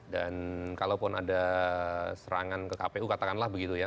dan kalaupun ada serangan ke kpu katakanlah begitu ya